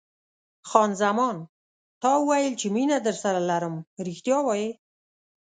خان زمان: تا وویل چې مینه درسره لرم، رښتیا وایې؟